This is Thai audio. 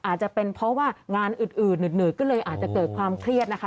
อาจจะเป็นเพราะว่างานอื่นหนืดก็เลยอาจจะเกิดความเครียดนะคะ